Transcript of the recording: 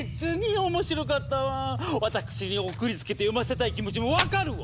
私に送りつけて読ませたい気持ちも分かるわ！